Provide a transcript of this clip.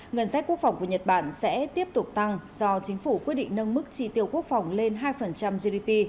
ngân sách quốc phòng của nhật bản sẽ tiếp tục tăng do chính phủ quyết định nâng mức tri tiêu quốc phòng lên hai gdp